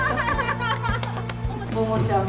桃ちゃん